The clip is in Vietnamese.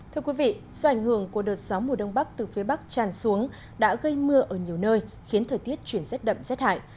thưa quý vị do ảnh hưởng của đợt gió mùa đông bắc từ phía bắc tràn xuống đã gây mưa ở nhiều nơi khiến thời tiết chuyển rất đậm rét hại